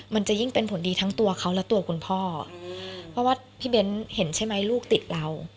มันจะยิ่งเป็นผลดีทั้งตัวเขาและตัวคุณพ่อเพราะว่าพี่เบ้นเห็นใช่ไหมลูกติดเรา